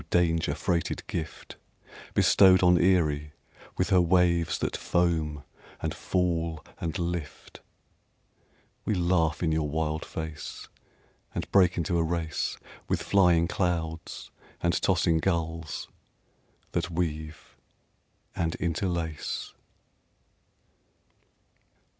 danger freighted gift Bestowed on Erie with her waves that foam and fall and lift, We laugh in your wild face, And break into a race With flying clouds and tossing gulls that weave and interlace.